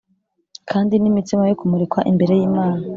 kandi n imitsima yo kumurikwa imbere y Imana